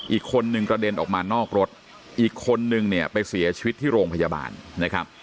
อีกคนนึงกระเด็นออกมานอกรถอีกคนนึงเนี่ยไปเสียชีวิตที่โรงพยาบาลนะครับ